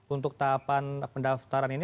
untuk tahapan pendaftaran ini